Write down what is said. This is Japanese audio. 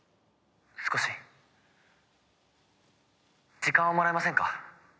「少し時間をもらえませんか？」